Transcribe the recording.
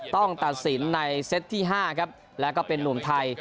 ตัดสินในเซตที่๕ครับแล้วก็เป็นนุ่มไทย